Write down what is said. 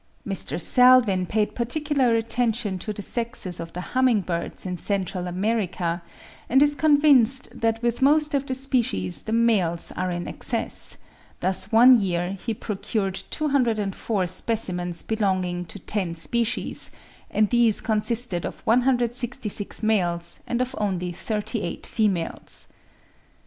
Mr. Salvin paid particular attention to the sexes of the humming birds in Central America, and is convinced that with most of the species the males are in excess; thus one year he procured 204 specimens belonging to ten species, and these consisted of 166 males and of only 38 females.